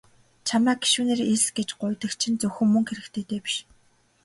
Чамайг гишүүнээр элс гэж гуйдаг чинь зөвхөн мөнгө хэрэгтэйдээ биш.